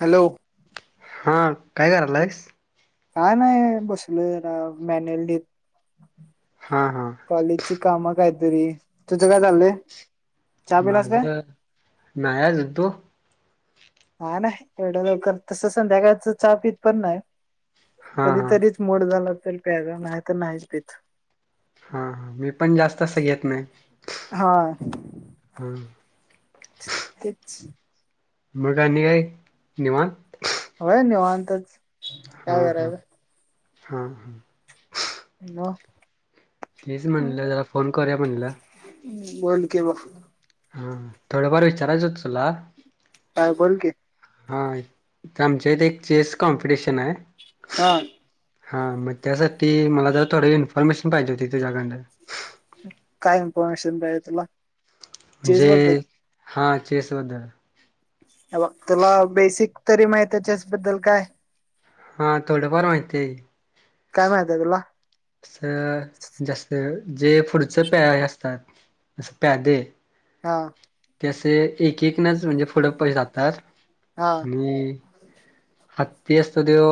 Hello हा कायकरालायीस काय नई बसलोय राव मॅन्युअल लिहित हा हा काम काहीतरी तुझं काय चाललय माझ नाही अजून तू न्यानय न्यानय एवढं लवकर तस संध्याकाळच चहा पित पण न्हाय हा हा कधीतरीच मूड झाला तर प्यायच नाही तर नाहीच पित हा हा मी पण जास्त असं घेत नाय हा हा हा कच्च्य मग आणि काय निवांत होय निवांतच हा काय हा करायचं हा हा न प्लीज म्हणलं जरा फोन करूया म्हणलं हमं वर्ल्ड [inaudible] हा हा थोडंफार विचारायच होत तुला काय बोल की हा इथ आमच्या इथे एक चेस कॉम्पिटिशन हाय हा हा मग त्यासाठी मला जर थोडी इन्फॉर्मेशन पाहिजे होती तुझ्याकडनं काय इन्फॉर्मेशन पाहिजे तुला चेस म्हणजे बद्दल हा चेस बदल हेबग तुला बेसिक तरी माहितेय चेस बद्दल काय हा थोडंफार माहितेय काय माहित आहे तुला अस जास्त जे पुढच प्यायय असतात असं प्यादे हा त्यासे एक एकनच म्हणजे पुढं पय जातात आणि हत्ती असतो तो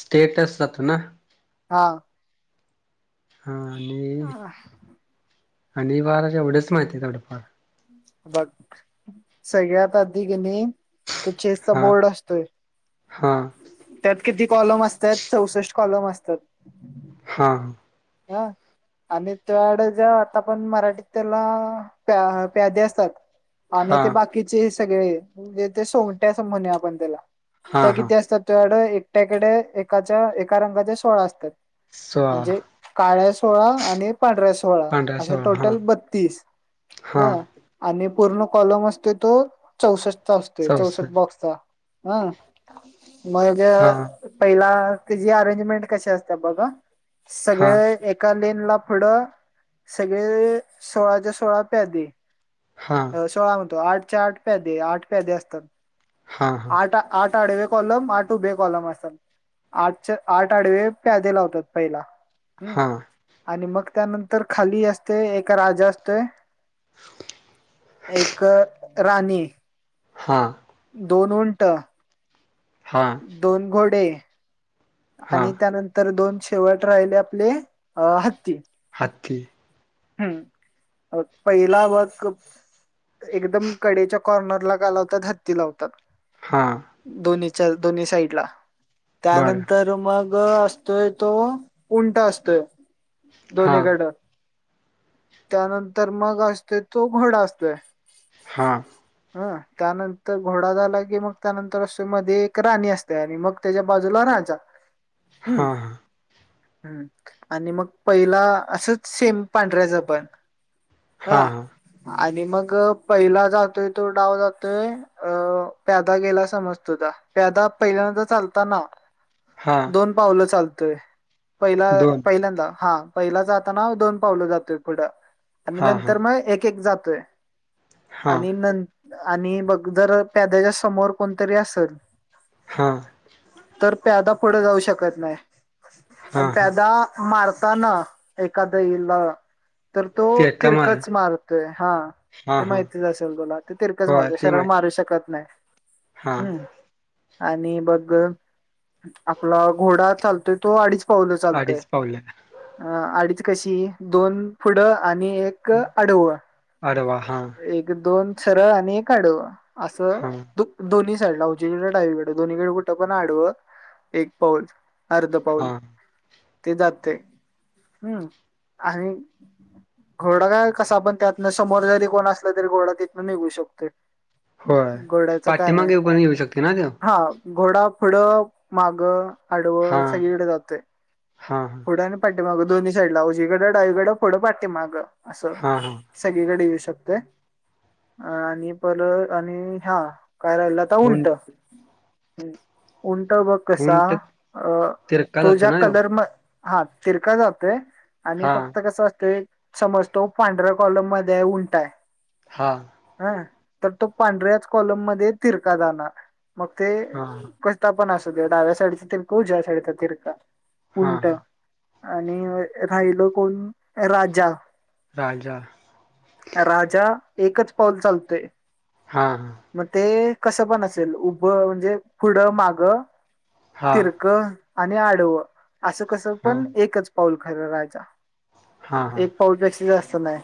स्टेटच जातो ना हा हा आ आणि आणि बार जेवढेच माहिती आहे थोड फार बघ सगळ्यात अधिक कनी तो चेसचा हा बोर्ड असतोय हा त्यात किती कॉलम असत्यात चौसष्ट कॉलम असतात हा हा आणि तुझ्याकडे जो आत्तापर्यंत मराठीत त्याला प्याधे असतात आणि हा ते बाकीचे हे सगळे म्हणजे ते सोंगट्या असं म्हणुया आपण त्याला हा त्या हा किती असतात तुझ्याकडं एकट्याकड एकाच्या एका रंगाच्या सोळा असतात सवा म्हणजे काळ्या सोळा आणि- पांढऱ्या सोळा पांढरा अश्या सोळा हा टोटल बतीस हा ह आणि- पूर्ण कॉलम असतोय तो चौसष्टचा असतोय चौसष्ट बॉक्सचा हं मग हा पहिला अरेंजमेंट कशी असतात बघा हा सगळे एका ला पुढ सगळे सोळाच्या सोळा प्याधे हा अ सोळा म्हणतो आठचे आठ प्यादे आठ प्यादे असतात हा हा आठ आठ आडवे कॉलम आठ उभे कॉलम असतात आठचे आठ आडवे प्यादे लावतात पहिला हम्म हा आणि मग त्यानंतर खाली असते एका राजा असतोय एक राणी हा दोन उंट हा दोन घोडे हा आणि त्यानंतर दोन शेवट राहिले आपले अ हत्ती हात्ती हम्म पहिला बघ एकदम कडेच्या कॉर्नरला काय लावतात हत्ती लावतात. हा दोन्हीच्या दोन्ही साईड ला बरं त्यानंतर मग असतोय तो उंटा असतोय हां, दोन्हीकड त्यानंतर मग असत तो घोड असतोय हा ह त्यानंतर घोडा झाला की मग त्यानंतर असे मध्ये एक राणी असते आणि मग त्याच्या बाजूला रा राजा हा हा हम् आणि मग पहिला असंच सेम पांढऱ्याचं पण हा हा आणि मग पहिला जातोय तो डाव जातोय अ प्यादा गेला समज तुझा प्यादा पहिल्यांदा चालता ना हां, दोन पावलं चालतोय पहिला पहिल्यांदा हा पहिला जाताना दोन पावलं जातोय पुढं आणि हां, हां, नंतर मग एक एक जातोय हां, आणि न आणि बघ जर प्याद्याच्या समोर कोणतरी असेल हा तर प्यादा पुढं जाऊ शकत नाही आणि हां, हां, प्यादा मार मारताना एखादा हीला तर तो ते का महाराज तिरकच मारतोय हा हां, ते हां, माहितीच असेल तुला ते तिरकंच मारत सरळ मारू शकत नाही. हा हम्म आणि बघ आपला घोडा चालतोय तो अडीच पावल चालतोय अडीच पावलं अडीच कशी दोन पुढं आणि एक आडव आडवा हां, एक दोन सरळ आणि एक आडव असं हां, दु दोन साईड ला उजवीकडं डावीकडे दोन्हीकडे कुठं पण आडवं एक पाऊल अर्ध पाऊल हां, ते जात हम् आणि घोडा काय कसा आपण त्यातून समोर जरी कोण असलं तरी घोडा तिथनं निघू शकतोय. होय. घोड्याच काय नाही पाठीमागे पण येऊ शकते ना त्यो? हा घोडा पुढ माग आडवं हां, सगळीकडे जातोय हां, हां, पुढ आणि पाठी दोन्ही साईडला उजवीकड डावीकड पुढं पाठी माग असं हां, हां, सगळीकडे येऊ शकत. आणि परत आणि हा. काय राहिल आता उंट. उंट बघ कसा उंट तिरका जातो तुझ्या ना ह्यो? कलर म हा तिरका जातोय आणि हां, फक्त कसं असतंय. समज तो पांढऱ्या कॉलम मध्ये उंट आहे. हा हा तो पांढऱ्याच कॉलम मध्ये तिरका जाणार मग ते हां, क पण अस डाव्या साईड उजव्या साईडचा तिरका हां, उलट हां, आणि राहिलं कोण राजा राजा राजा एकच पाऊल चालतंय- हां, मग ते कसं पण असेल उभं म्हणजे पुढं माग हां, तिरकं आणि आडवं असं कसं हां, पण हां, एकच पाऊल खरं राहायचा. हां, हां, एक पाऊलपेक्षा जास्त नाही.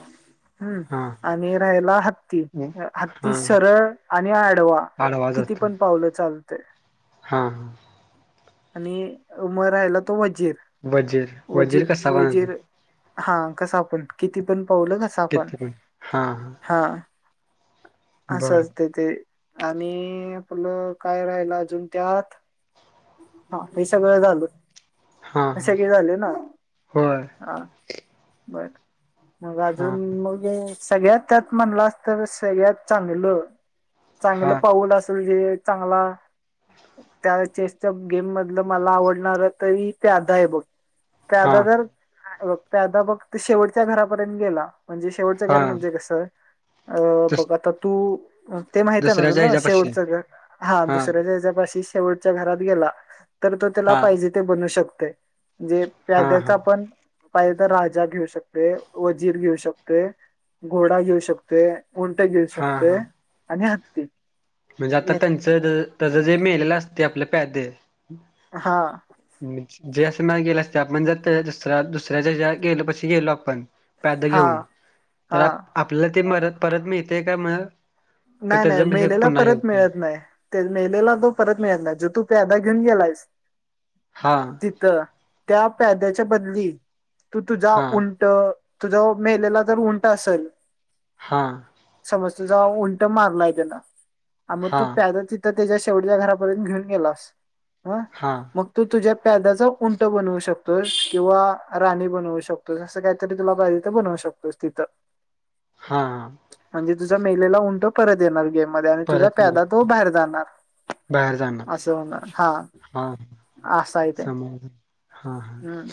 हम्म हां. आणि राहीला हत्ती हा हत्ती सरळ आणि आडवा आडवा किती जातो पण पावलं चालतंय. हा आणि म राहिला तो वजीर वजीर वजीर कसा वजी-वजीर बनवतात हा कसं आपण किती पण पावलं कसं आपण किती पण हा हा असं बर असते ते आणि आपलं काय राहिल अजून त्यात हा हे सगळं झाल. हा हा सगळे झाले ना होय हा बर मग हा अजून मगं सगळ्यात त्यात म्हणलास तर सगळ्यात चांगलं चांगलं हा पाऊल असेल जे चांगला त्या चेसच्या गेम मधलं मला आवडणार तरी प्याद आहे बग. हा प्यादा जर अं प्यादा बघ शेवटच्या घरापर्यंत गेला. म्हणजे शेवटचं हा घर म्हणजे कसं अं.. दुस बघ आता तू ते माहित आहे ना दुसऱ्याच्या तुला ह्याच्यापाशी शेवटच घर हा.. दुसऱ्याच्या याच्यापाशी शेवटच्या घरात गेला तर तो त्याला हा हा पाहिजे ते बनू शकतोय जे हा प्याद्याच हा आपण पाहिजे तर राजा घेऊ शकतोय वजीर घेऊ शकतोय घोडा घेऊ शकतोय. उंट घेऊ शकतोय हा आणि हत्ती म्हणजे आता हे- त्यांचं तर जे मेलेलं असतंय आपले प्यादे हा [unintelligible] [inaudible] जे असं नाय असते आपण जात दुस दुसऱ्या ज गेलो पशी गेलो आपण. प्याद हा घेऊन हा तर आपलं ते मरत परत मिळतेय काय मग? का नाही नाही त्याचं हे मेलेला पुन्हा हे परत होतंय मिळत नाही मेलेला तो परत मिळत नाही जो तू प्यादा घेऊन गेलायस हां, तिथं त्या प्याद्याच्या बदली तू तुझा हां, उंट तुझं मेलेला जर उंट असेल हा [unintelligible] तुझा उंट मारलाय त्यानं हा मग तू हां, प्यादा त्याच्या शेवटच्या घरापर्यंत घेऊन गेलास हं हां, मग तू तुझ्या प्यादाचा उंट बनवू शकतोस किंवा राणी बनवू शकतोस असं काहीतरी तुला पाहिजे तर बनवू शकतोस. शकतोस तिथं. हा तुझ्या मेलेला उंट परत येणार गेम मध्ये आणि तुझ्या परत मी प्यादा तो बाहेर जाणार. बाहेर जाणार. असं होणार हा अस हाय ते हा हा हम्म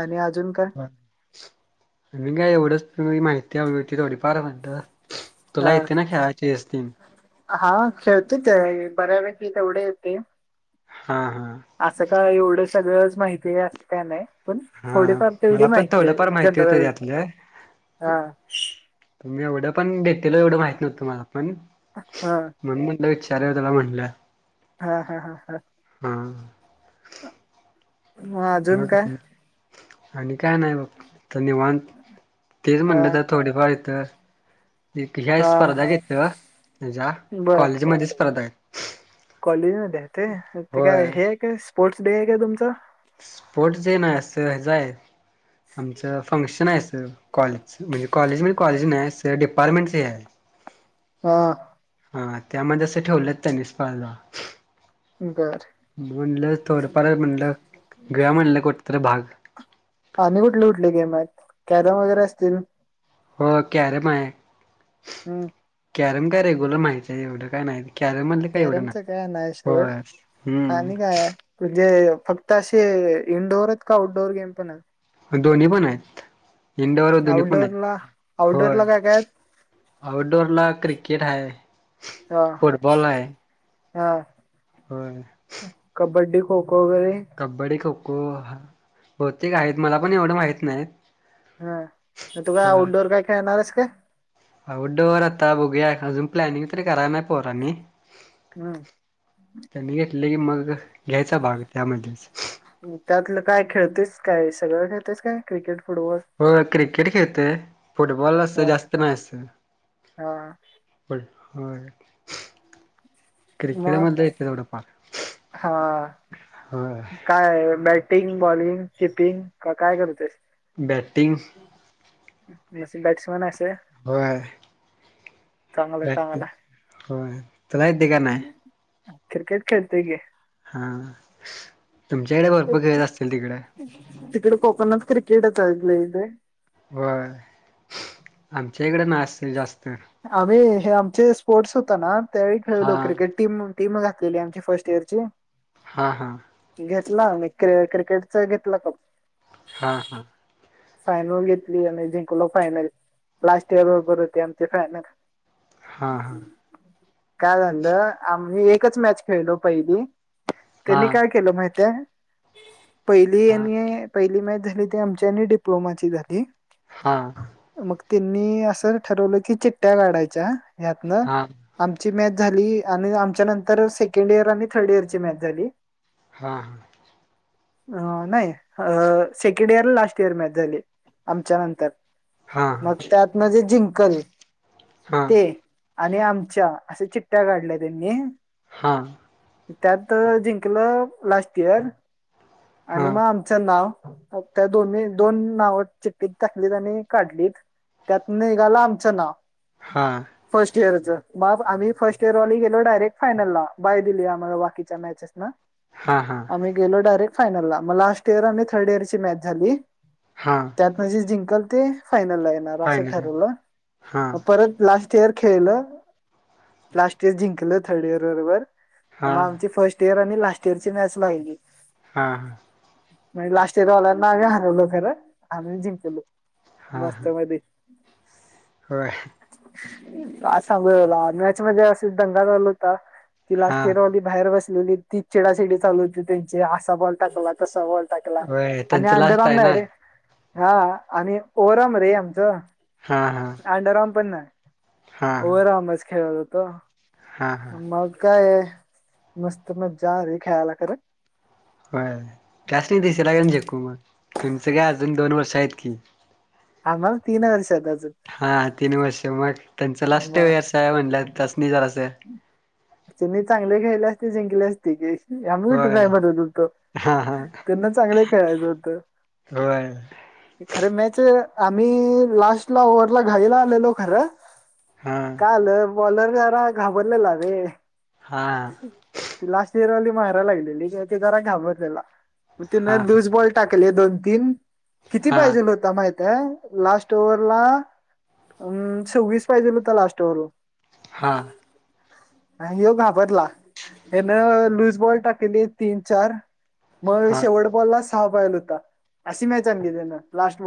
आणि [unintelligible] मी काय एवढंच माहिती हवी होती थोडी फार म्हणताना तुला हा येतंय ना खेळाय चेस तिन हा खेळतोय ते बऱ्यापैकी तेवढे येतंय हां, हां, असं काय एवढं सगळंच माहितीय असं काय नाही पण हां. थोडीफार तेवढी मला पण माहिती आहे थोडंफार माहिती होतं जनरल त्यातलं. हा मी एवढं पण घेतल एवढं माहित नव्हतं मला पण हा म्हणून म्हटलं ार त्याला म्हणलं [unintelligible] हा हा हा हा हं मग अजून काय [inaudible] आणि आणि काय नाही बग निवणत तेच हा म्हणलं तर थोडेफार इथं ह हा स्पर्धा घेत माझ्या कॉलेजमध्येध्ये स्पर्धा आहेत कॉलेजमध्येध्ये आहे ते ते काय होय हे आहे काय स्पोर्ट्स डे आहे काय तुमच स्पोर्ट डे नाही असं आहे [inaudible] आमच फंक्शन फंक्शन आहे आस कॉलेज म्हणजे कॉलेज म्हणज कॉलेज नाही डिपार्टमेंट आहे हा हा त्यामध्ये असं ठेवलं आहे स्पर्धा बर मी तिला म्हटलं थोडफार म्हटलं घेऊया म्हणलं कुठ तरी भाग आणि कुठले कुठले गेम आहेत कॅरम वगैरे असतील हो करेम आहे हम्म [inaudible] करेम काय रेगुल माहित आहे एवढं काय नाही कॅर मधले काही एवडं ना कॅरमचं काय नाही हो सोड हम्म आणि काय आहे? म्हणजे फक्त असे इंडोअर आहेत का आउटडोअर गेम पण दोन्ही पण आहेत इंडोवर दोन्ही पण आउटडोअरला आहेत होय आउटडोअरला काय काय आहेत? आउटडोर ला क्रिकेट ह हा फुटबॉल आहे हा हो कबड्डी खो खो वगैरे कबड्डी खो खो बहुतेक आहेत मला पण एवढं माहित नाहीत हा तु का आउटडोर काय खेळणारस का आऊटडोअर आता बघूया अजून प्लॅनिंग तरी कराय नाही पोरांनी हम्म त्यांनी घेतले की मग घ्यायचा भाग त्यामध्येच त्यातलं काय खेळतेस काय सगळं खेळतेस काय क्रिकेट फुटबॉल हो क्रिकेट खेळतेय फुटबॉल हा जास्त नाहीस हा होय मग क्रिकेटमधलं य तेथवढं फार हा काय बॅटिंग बॉलिंग किपिंग काय करूते बॅटिंग बॅट्समॅन असे होय हो चांगला चांगला [unintelligible] होय तुला एत्य का नाही क्रिकेट खेळते ग हा तुमच्याकडे भरपूर खेळत असतील तिकडे कोकोनट क्रिकेट चय इे ते होय आमच्या इकडे न असतीलल जास्त आम्ही हे आमचे स्पोर्ट्स होत ना त्यावेळी हा खेळवलो क्रिकेट टीम टीम घातलेली आमची फर्स्ट इयर ची हा हा घेतला म्र क्रिकेट च घेतला काप हा हा फायनल घेतली आणि जिंकल फायनल लास्ट इयर बरोबर होते आमची फायनल हा हा. काय झालं आम्ही एकच मॅच खेळलो पहिली, हा त्यांनी काय केलं माहिती हाय? पहिली हा पहिली मॅच झाली त आमच्या डिप्लोमाची झाली हा. मग त्यांनी असं ठरवलं की चिट्ट्या काढायच्या ह्यातन हा आमची मॅच झाली आणि आमच्या नंतर सेकंड इयर आणि थर्ड इयर ची मॅच झाली हा‌ हा. अ नाही अ second year last, year match झाली आमच्या नंतर. हा मगं त्यात म्हणजे जिंकल. - हा. आणि आमच्या असे चिट्ट्या काढल्या त्यांनी. - हा. त्यात जिंकलं लास्ट इयर आणि हा मगं आमचं नाव. - त्या दोन्ही दोन नाव चिट्टीत टाकलीत आणि काढलीत, त्यात निघाला आमचं नाव हा फर्स्ट इयरच. - मगं आम्ही फर्ट इयर वाले गेलोडयरेक्ट फायनलला बाय दिली्हा बाकीच्या मॅचेस. हा - आम्ही गेलो डायरेक्ट फायनलला मगं लास्ट इयर आणि थर्ड इयर ची मॅच झाली. हा त्यातन जे जिंकल ते. - फायनल ला येणार अस फायनल आहे ठरवलं हा म परत लास्ट. - फस्ट इयर खेळलं लास्ट इयर जिंकलं थर्ड इयर बरोबर. - हा मगं आमची फर्स्ट इयर आणि लास्ट इयरची मॅच लागली. हा. लास्ट इयर वाल्यांना आम्ही हरवलं खरं आम्हीं जिंकलो. हा हा मस्त मध्ये. होय, का सांगूलाला मॅच मध्ये असच, दंगा झालू होता. ती हा लास्ट इयर वाली बाहेर बस- ली ती चिडाशिडी चालु होती त्याचीअसा बॉल टाकला तसा बॉल- टाकला होय आणि त्यांचं अंड लास्ट आहे रामनाय ना रे- हा. आणि ओरम रे आमचं हा हा अंडरम पण नाय - हा हा ओवराउच खेळत होतो हा हा मग काय- मस्त मजा आली खेळायला खरं. होय त्यास नी दिश लागन झिकून, मग तुमच काय अजून दोन वर्ष आहेत की. आम्हाला तीन वर्षात अजून हा तीन वर्ष मगं- त्यांच लास्ट मग वया आहे म्हणलं त्यास नि जरा स. - त्यांनी चांगले खेळले जिंकले असते क- आम्ही ट्राय मनत होतो, हा हा त्यांना चांगलं खेळायचं होत. होय खरं मॅच, - आम्ही लास्ट ला ओवर ला घाईला आलेलो खरं हां काय हाल - बॉलर जरा घाबरलेला रे, हा. चिरवली मारा लागलेली कि तो जरा घाबरलेला, मगं तिन हां लूसबॉल टाकले दोन तीन. किती हां पाहिजेल होता. माहिती हाय लास्ट ओवत लाप मं सव्हीस - पाहिजेल होता लास्ट ओवर ला. हा, नाही. यो घाबरला हनं लूज बॉल टाकली तीन चार, मगं हां. शेवट बॉलला सहा पायल होता अशी मॅच आणली त्यानं लास्ट बॉल. -